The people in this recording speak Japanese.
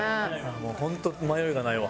もう本当迷いがないわ。